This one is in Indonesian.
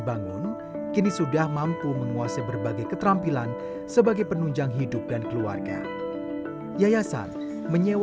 pertanyaan terakhir bagaimana penyelesaian yayasan ini